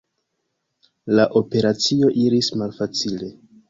La operacio iris malfacile.